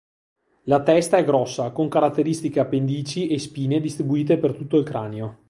La testa è grossa con caratteristiche appendici e spine distribuite per tutto il cranio.